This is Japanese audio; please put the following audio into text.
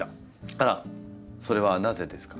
あらそれはなぜですか？